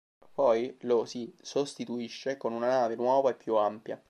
Poi lo si sostituisce con una nave nuova e più ampia.